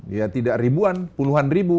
ya tidak ribuan puluhan ribu